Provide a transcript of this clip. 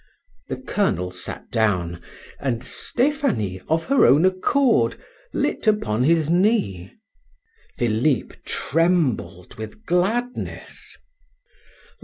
The colonel sat down, and Stephanie, of her own accord, lit upon his knee. Philip trembled with gladness.